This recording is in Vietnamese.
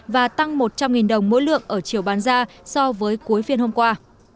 và tăng một trăm linh đồng mỗi lượng ở chiều bán ra so với cuối phiên hôm qua